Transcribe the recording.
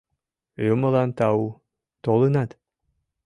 Юмылан тау, толынат.